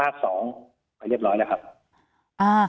ค่ะ